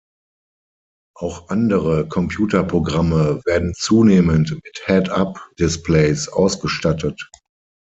Auch andere Computerprogramme werden zunehmend mit Head-up-Displays ausgestattet.